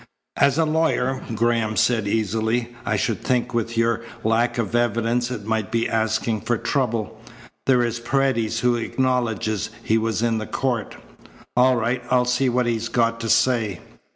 "As a lawyer," Graham said easily, "I should think with your lack of evidence it might be asking for trouble. There is Paredes who acknowledges he was in the court." "All right. I'll see what he's got to say."